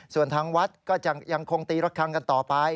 ส่วนทางวัดก็ยังคงตีระคังกันต่อไป